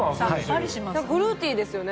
フルーティーですよね。